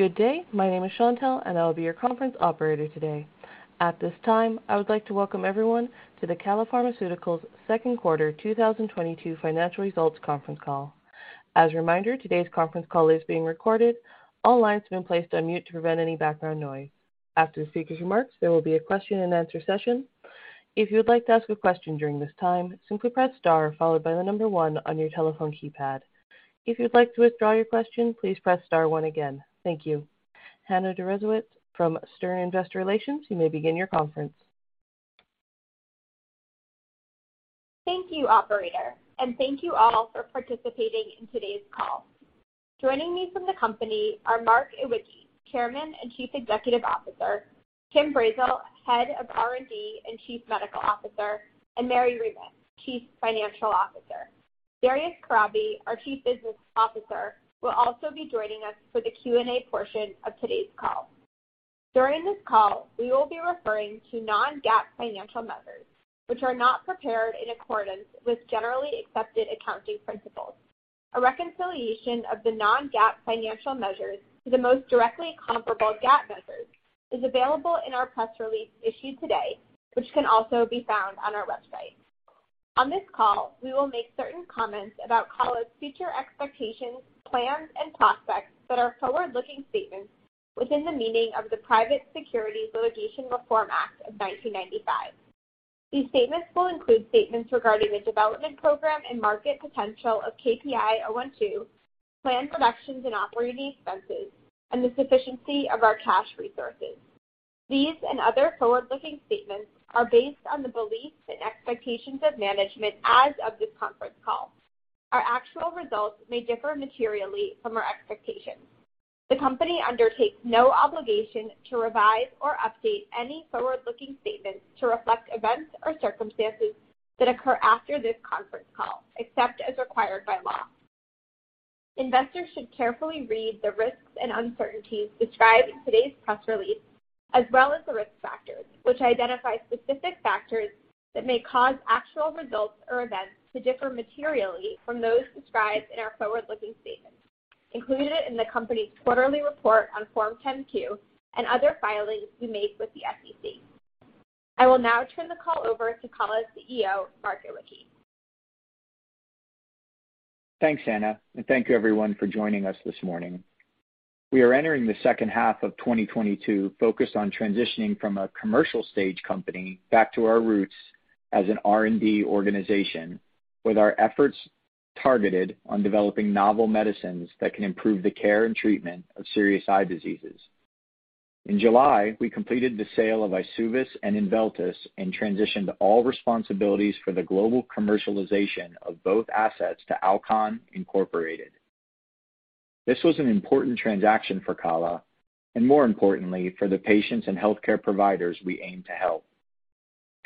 Good day. My name is Chantelle, and I will be your conference operator today. At this time, I would like to welcome everyone to the Kala Pharmaceuticals second quarter 2022 financial results conference call. As a reminder, today's conference call is being recorded. All lines have been placed on mute to prevent any background noise. After the speaker's remarks, there will be a question-and-answer session. If you would like to ask a question during this time, simply press star followed by the number one on your telephone keypad. If you'd like to withdraw your question, please press star one again. Thank you. Hannah Deresiewicz from Stern Investor Relations, you may begin your conference. Thank you, operator, and thank you all for participating in today's call. Joining me from the company are Mark Iwicki, Chairman and Chief Executive Officer, Kim Brazzell, Head of R&D and Chief Medical Officer, and Mary Reumuth, Chief Financial Officer. Darius Kharabi, our Chief Business Officer, will also be joining us for the Q and A portion of today's call. During this call, we will be referring to non-GAAP financial measures, which are not prepared in accordance with generally accepted accounting principles. A reconciliation of the non-GAAP financial measures to the most directly comparable GAAP measures is available in our press release issued today, which can also be found on our website. On this call, we will make certain comments about Kala's future expectations, plans, and prospects that are forward-looking statements within the meaning of the Private Securities Litigation Reform Act of 1995. These statements will include statements regarding the development program and market potential of KPI-012, planned reductions in operating expenses, and the sufficiency of our cash resources. These and other forward-looking statements are based on the beliefs and expectations of management as of this conference call. Our actual results may differ materially from our expectations. The company undertakes no obligation to revise or update any forward-looking statements to reflect events or circumstances that occur after this conference call, except as required by law. Investors should carefully read the risks and uncertainties described in today's press release, as well as the risk factors, which identify specific factors that may cause actual results or events to differ materially from those described in our forward-looking statements included in the company's quarterly report on Form 10-Q and other filings we make with the SEC. I will now turn the call over to Kala's CEO, Mark Iwicki. Thanks, Hannah, and thank you everyone for joining us this morning. We are entering the second half of 2022 focused on transitioning from a commercial stage company back to our roots as an R&D organization, with our efforts targeted on developing novel medicines that can improve the care and treatment of serious eye diseases. In July, we completed the sale of EYSUVIS and INVELTYS and transitioned all responsibilities for the global commercialization of both assets to Alcon Inc. This was an important transaction for Kala and, more importantly, for the patients and healthcare providers we aim to help.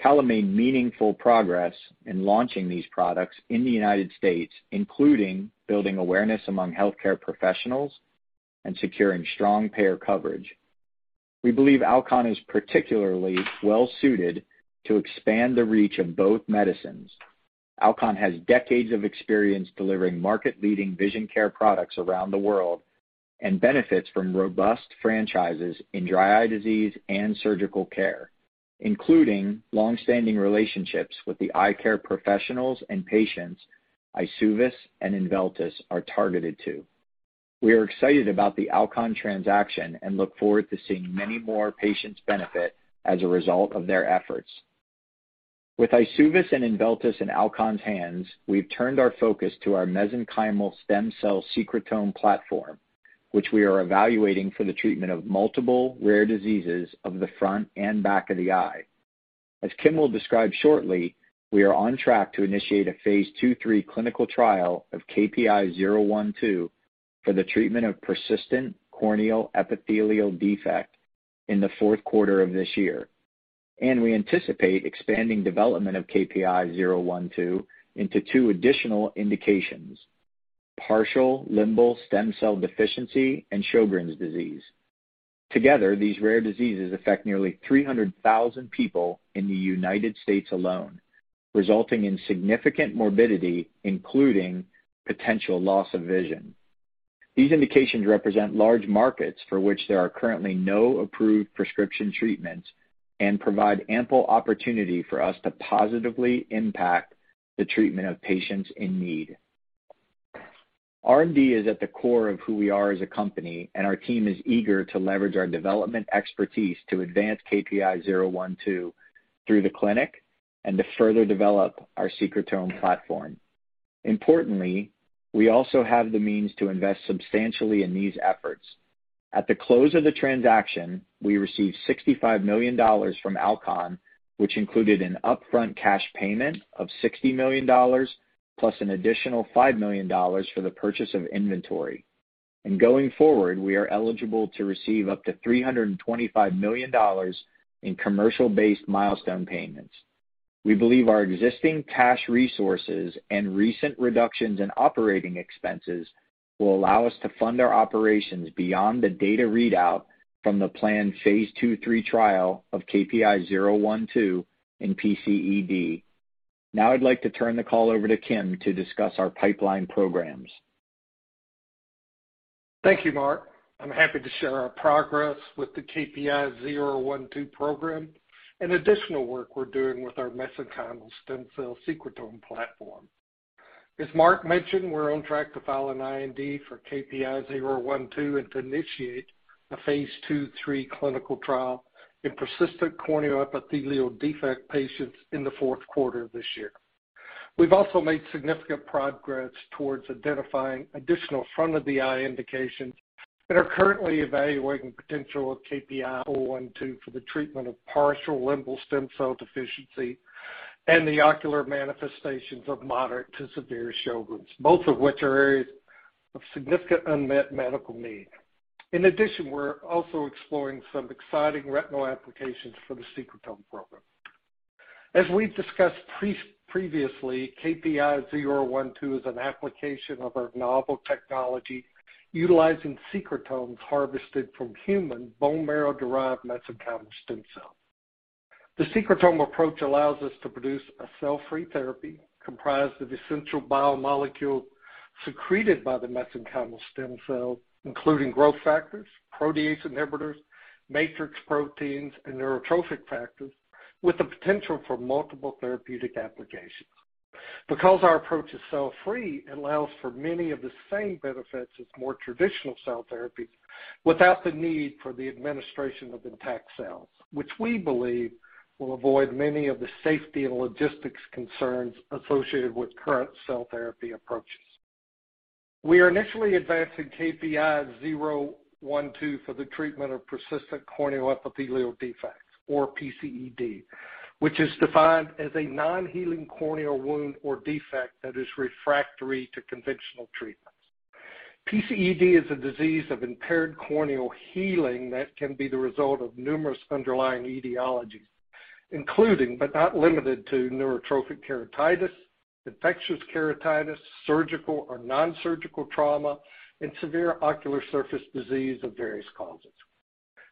Kala made meaningful progress in launching these products in the United States, including building awareness among healthcare professionals and securing strong payer coverage. We believe Alcon is particularly well-suited to expand the reach of both medicines. Alcon has decades of experience delivering market-leading vision care products around the world and benefits from robust franchises in dry eye disease and surgical care, including longstanding relationships with the eye care professionals and patients, EYSUVIS and INVELTYS, are targeted to. We are excited about the Alcon transaction and look forward to seeing many more patients benefit as a result of their efforts. With EYSUVIS and INVELTYS in Alcon's hands, we've turned our focus to our mesenchymal stem cell secretome platform, which we are evaluating for the treatment of multiple rare diseases of the front and back of the eye. As Kim will describe shortly, we are on track to initiate a phase II, III clinical trial of KPI-012 for the treatment of persistent corneal epithelial defect in the fourth quarter of this year, and we anticipate expanding development of KPI-012 into two additional indications, partial limbal stem cell deficiency and Sjögren's disease. Together, these rare diseases affect nearly 300,000 people in the United States alone, resulting in significant morbidity, including potential loss of vision. These indications represent large markets for which there are currently no approved prescription treatments and provide ample opportunity for us to positively impact the treatment of patients in need. R&D is at the core of who we are as a company, and our team is eager to leverage our development expertise to advance KPI-012 through the clinic and to further develop our secretome platform. Importantly, we also have the means to invest substantially in these efforts. At the close of the transaction, we received $65 million from Alcon, which included an upfront cash payment of $60 million plus an additional $5 million for the purchase of inventory. Going forward, we are eligible to receive up to $325 million in commercial-based milestone payments. We believe our existing cash resources and recent reductions in operating expenses will allow us to fund our operations beyond the data readout from the planned phase II, III trial of KPI-012 in PCED. Now I'd like to turn the call over to Kim to discuss our pipeline programs. Thank you, Mark. I'm happy to share our progress with the KPI-012 program and additional work we're doing with our mesenchymal stem cell secretome platform. As Mark mentioned, we're on track to file an IND for KPI-012 and to initiate a phase II, III clinical trial in persistent corneal epithelial defect patients in the fourth quarter of this year. We've also made significant progress towards identifying additional front of the eye indications and are currently evaluating potential of KPI-012 for the treatment of partial limbal stem cell deficiency and the ocular manifestations of moderate to severe Sjögren's, both of which are areas of significant unmet medical need. In addition, we're also exploring some exciting retinal applications for the secretome program. As we've discussed previously, KPI-012 is an application of our novel technology utilizing secretomes harvested from human bone marrow-derived mesenchymal stem cells. The secretome approach allows us to produce a cell-free therapy comprised of essential biomolecules secreted by the mesenchymal stem cells, including growth factors, protease inhibitors, matrix proteins, and neurotrophic factors with the potential for multiple therapeutic applications. Because our approach is cell-free, it allows for many of the same benefits as more traditional cell therapies without the need for the administration of intact cells, which we believe will avoid many of the safety and logistics concerns associated with current cell therapy approaches. We are initially advancing KPI-012 for the treatment of persistent corneal epithelial defects, or PCED, which is defined as a non-healing corneal wound or defect that is refractory to conventional treatments. PCED is a disease of impaired corneal healing that can be the result of numerous underlying etiologies, including but not limited to neurotrophic keratitis, infectious keratitis, surgical or non-surgical trauma, and severe ocular surface disease of various causes.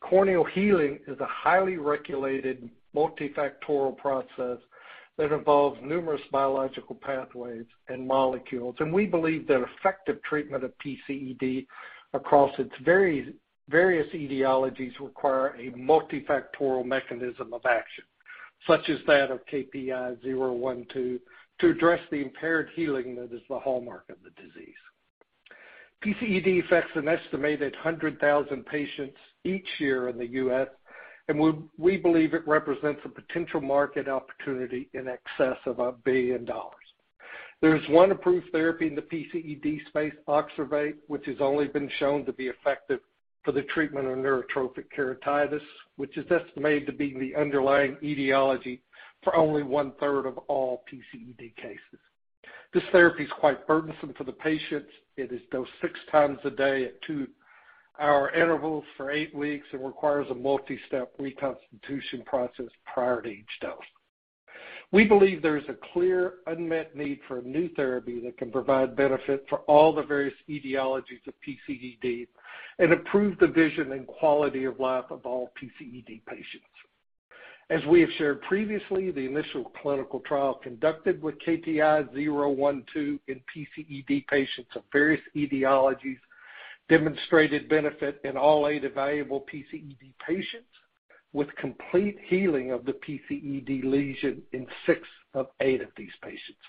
Corneal healing is a highly regulated multifactorial process that involves numerous biological pathways and molecules. We believe that effective treatment of PCED across its various etiologies require a multifactorial mechanism of action, such as that of KPI-012 to address the impaired healing that is the hallmark of the disease. PCED affects an estimated 100,000 patients each year in the U.S., and we believe it represents a potential market opportunity in excess of $1 billion. There is one approved therapy in the PCED space, Oxervate, which has only been shown to be effective for the treatment of neurotrophic keratitis, which is estimated to be the underlying etiology for only 1/3 of all PCED cases. This therapy is quite burdensome for the patients. It is dosed 6x day at two-hour intervals for eight weeks and requires a multi-step reconstitution process prior to each dose. We believe there is a clear unmet need for a new therapy that can provide benefit for all the various etiologies of PCED and improve the vision and quality of life of all PCED patients. As we have shared previously, the initial clinical trial conducted with KPI-012 in PCED patients of various etiologies demonstrated benefit in all eight evaluable PCED patients with complete healing of the PCED lesion in six of eight of these patients.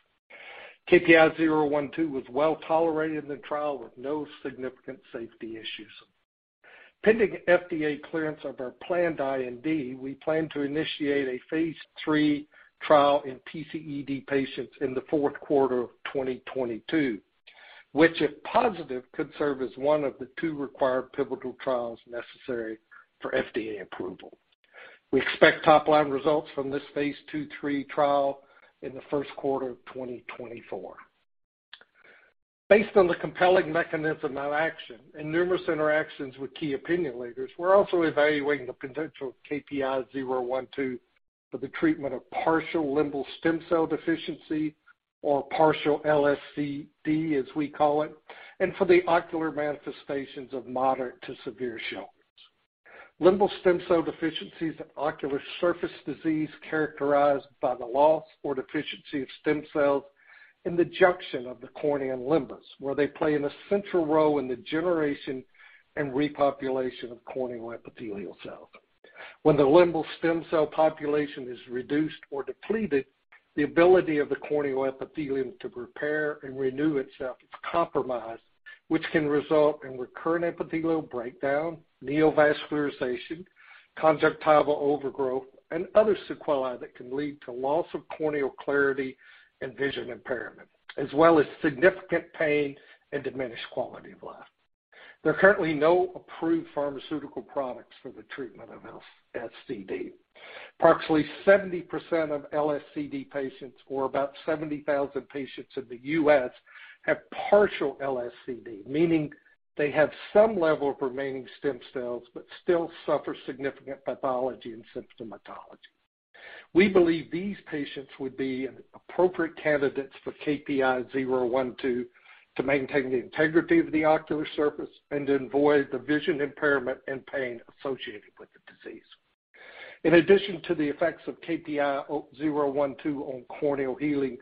KPI-012 was well-tolerated in the trial with no significant safety issues. Pending FDA clearance of our planned IND, we plan to initiate a phase III trial in PCED patients in the fourth quarter of 2022, which, if positive, could serve as one of the two required pivotal trials necessary for FDA approval. We expect top-line results from this phase II, III trial in the first quarter of 2024. Based on the compelling mechanism of action and numerous interactions with key opinion leaders, we're also evaluating the potential of KPI-012 for the treatment of partial limbal stem cell deficiency or partial LSCD as we call it, and for the ocular manifestations of moderate to severe Sjögren's. Limbal stem cell deficiency is an ocular surface disease characterized by the loss or deficiency of stem cells in the junction of the cornea and limbus, where they play an essential role in the generation and repopulation of corneal epithelial cells. When the limbal stem cell population is reduced or depleted, the ability of the corneal epithelium to repair and renew itself is compromised, which can result in recurrent epithelial breakdown, neovascularization, conjunctival overgrowth, and other sequelae that can lead to loss of corneal clarity and vision impairment, as well as significant pain and diminished quality of life. There are currently no approved pharmaceutical products for the treatment of LSCD. Approximately 70% of LSCD patients or about 70,000 patients in the U.S. have partial LSCD, meaning they have some level of remaining stem cells but still suffer significant pathology and symptomatology. We believe these patients would be appropriate candidates for KPI-012 to maintain the integrity of the ocular surface and to avoid the vision impairment and pain associated with the disease. In addition to the effects of KPI-012 on corneal healing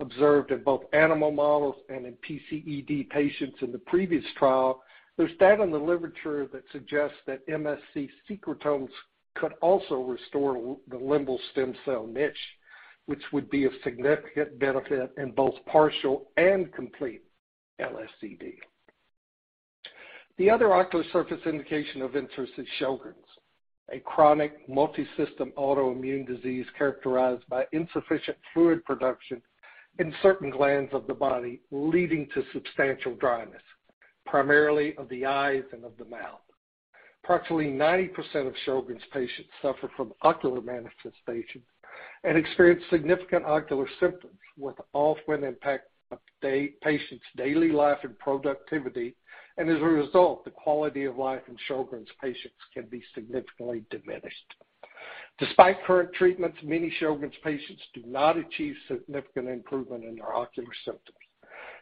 observed in both animal models and in PCED patients in the previous trial, there's data in the literature that suggests that MSC secretome could also restore the limbal stem cell niche, which would be a significant benefit in both partial and complete LSCD. The other ocular surface indication of interest is Sjögren's, a chronic multisystem autoimmune disease characterized by insufficient fluid production in certain glands of the body, leading to substantial dryness, primarily of the eyes and of the mouth. Approximately 90% of Sjögren's patients suffer from ocular manifestations and experience significant ocular symptoms, with often impacting the patient's daily life and productivity. As a result, the quality of life in Sjögren's patients can be significantly diminished. Despite current treatments, many Sjögren's patients do not achieve significant improvement in their ocular symptoms.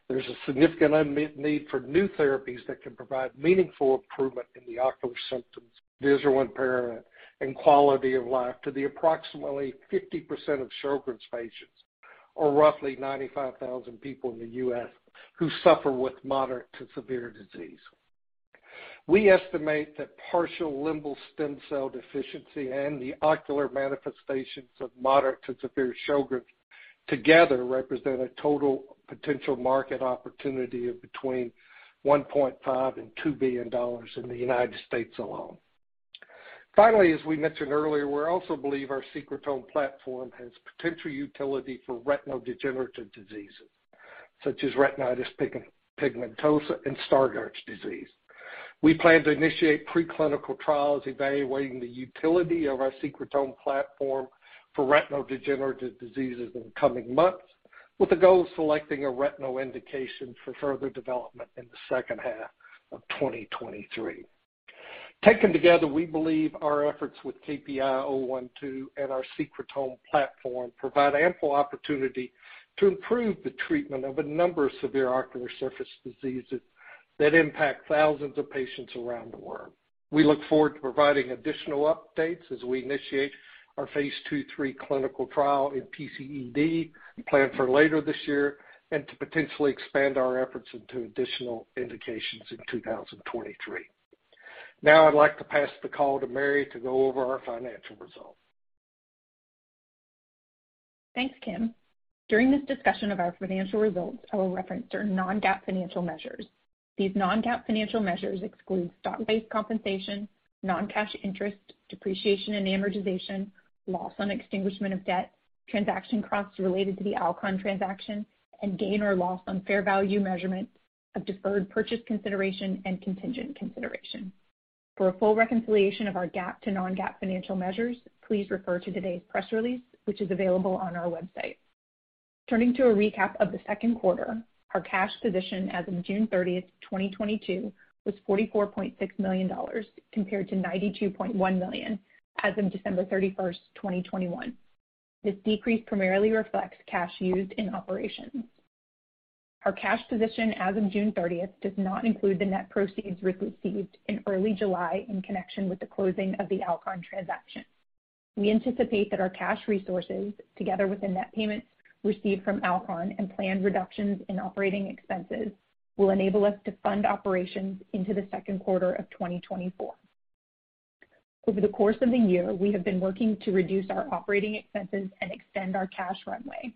There's a significant unmet need for new therapies that can provide meaningful improvement in the ocular symptoms, visual impairment, and quality of life to the approximately 50% of Sjögren's patients, or roughly 95,000 people in the U.S., who suffer with moderate to severe disease. We estimate that partial limbal stem cell deficiency and the ocular manifestations of moderate to severe Sjögren's together represent a total potential market opportunity of between $1.5 billion and $2 billion in the United States alone. Finally, as we mentioned earlier, we also believe our secretome platform has potential utility for retinal degenerative diseases such as retinitis pigmentosa and Stargardt disease. We plan to initiate preclinical trials evaluating the utility of our Secretome platform for retinal degenerative diseases in the coming months, with the goal of selecting a retinal indication for further development in the second half of 2023. Taken together, we believe our efforts with KPI-012 and our Secretome platform provide ample opportunity to improve the treatment of a number of severe ocular surface diseases that impact thousands of patients around the world. We look forward to providing additional updates as we initiate our phase II, III clinical trial in PCED, we plan for later this year and to potentially expand our efforts into additional indications in 2023. Now I'd like to pass the call to Mary to go over our financial results. Thanks, Kim. During this discussion of our financial results, I will reference our non-GAAP financial measures. These non-GAAP financial measures exclude stock-based compensation, non-cash interest, depreciation and amortization, loss on extinguishment of debt, transaction costs related to the Alcon transaction, and gain or loss on fair value measurements of deferred purchase consideration and contingent consideration. For a full reconciliation of our GAAP to non-GAAP financial measures, please refer to today's press release, which is available on our website. Turning to a recap of the second quarter, our cash position as of June 30, 2022 was $44.6 million compared to $92.1 million as of December 31, 2021. This decrease primarily reflects cash used in operations. Our cash position as of June 30 does not include the net proceeds we received in early July in connection with the closing of the Alcon transaction. We anticipate that our cash resources, together with the net payments received from Alcon and planned reductions in operating expenses, will enable us to fund operations into the second quarter of 2024. Over the course of the year, we have been working to reduce our operating expenses and extend our cash runway.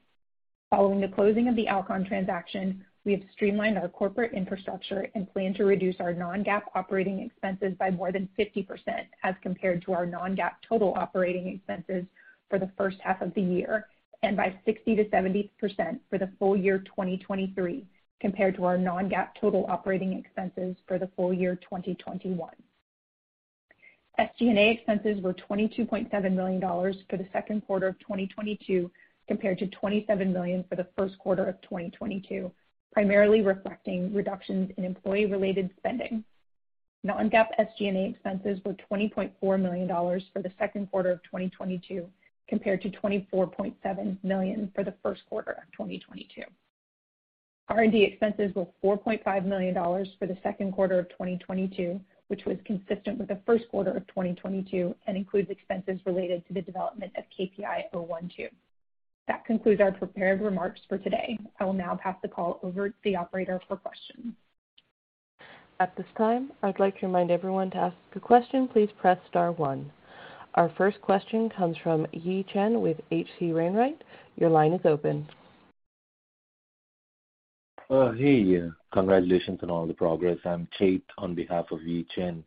Following the closing of the Alcon transaction, we have streamlined our corporate infrastructure and plan to reduce our non-GAAP operating expenses by more than 50% as compared to our non-GAAP total operating expenses for the first half of the year and by 60%-70% for the full year 2023 compared to our non-GAAP total operating expenses for the full year 2021. SG&A expenses were $22.7 million for the second quarter of 2022 compared to $27 million for the first quarter of 2022, primarily reflecting reductions in employee-related spending. Non-GAAP SG&A expenses were $20.4 million for the second quarter of 2022 compared to $24.7 million for the first quarter of 2022. R&D expenses were $4.5 million for the second quarter of 2022, which was consistent with the first quarter of 2022 and includes expenses related to the development of KPI-012. That concludes our prepared remarks for today. I will now pass the call over to the operator for questions. At this time, I'd like to remind everyone to ask a question, please press star one. Our first question comes from Yi Chen with H.C. Wainwright. Your line is open. Hey. Congratulations on all the progress. I'm Kate on behalf of Yi Chen.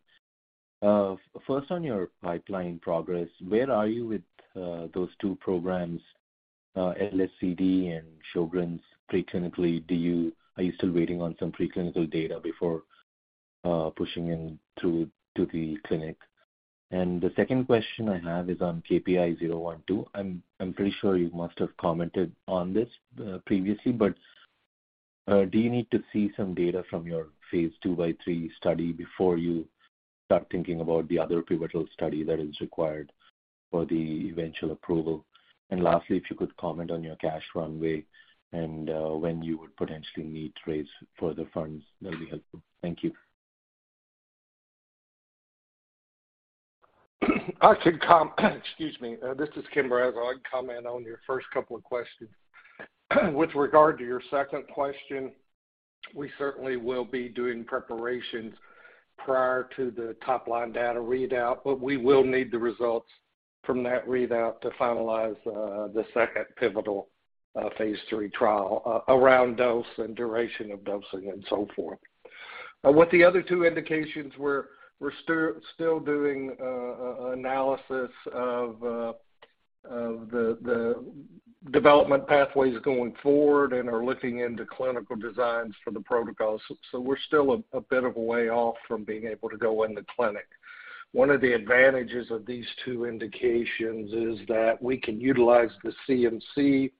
First, on your pipeline progress, where are you with those two programs, LSCD and Sjögren's pre-clinically? Are you still waiting on some pre-clinical data before pushing through to the clinic? The second question I have is on KPI-012. I'm pretty sure you must have commented on this previously, but do you need to see some data from your phase II, III study before you start thinking about the other pivotal study that is required for the eventual approval? Lastly, if you could comment on your cash runway and when you would potentially need to raise further funds, that'd be helpful. Thank you. Excuse me. This is Kim Brazzell. I can comment on your first couple of questions. With regard to your second question, we certainly will be doing preparations prior to the top-line data readout, but we will need the results from that readout to finalize the second pivotal phase three trial around dose and duration of dosing and so forth. With the other two indications, we're still doing analysis of the development pathways going forward and are looking into clinical designs for the protocols. We're still a bit of a way off from being able to go in the clinic. One of the advantages of these two indications is that we can utilize the CMC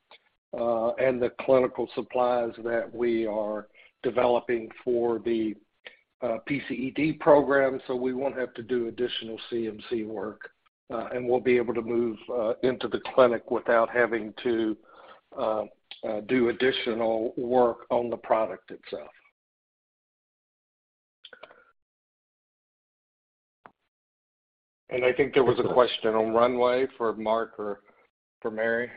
and the clinical supplies that we are developing for the PCED program, so we won't have to do additional CMC work. We'll be able to move into the clinic without having to do additional work on the product itself. I think there was a question on runway for Mark or for Mary.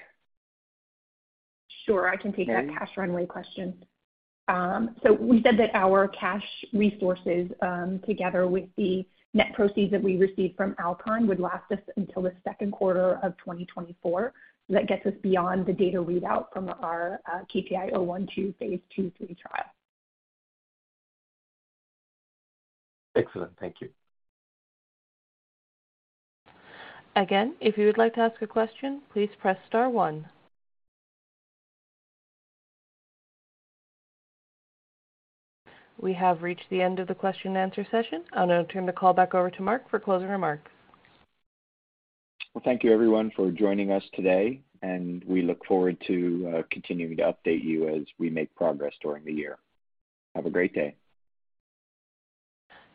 Sure. I can take that cash runway question. We said that our cash resources, together with the net proceeds that we received from Alcon would last us until the second quarter of 2024. That gets us beyond the data readout from our KPI-012 phase II, III trial. Excellent. Thank you. Again, if you would like to ask a question, please press star one. We have reached the end of the question and answer session. I'll now turn the call back over to Mark for closing remarks. Well, thank you everyone for joining us today, and we look forward to continuing to update you as we make progress during the year. Have a great day.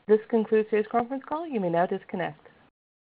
This concludes today's conference call. You may now disconnect.